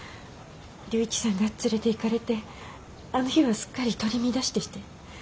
龍一さんが連れていかれてあの日はすっかり取り乱していて。